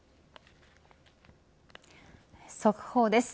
速報です。